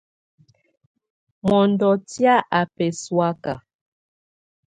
Mɔndɔ tɛ̀á á bǝsɔ̀áka.